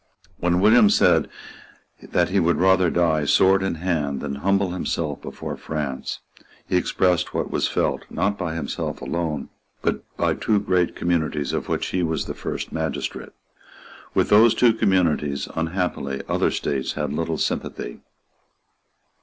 When William said that he would rather die sword in hand than humble himself before France, he expressed what was felt, not by himself alone, but by two great communities of which he was the first magistrate. With those two communities, unhappily, other states had little sympathy.